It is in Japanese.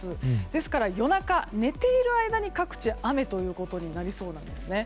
ですから、夜中寝ている間に各地で雨ということになりそうなんですね。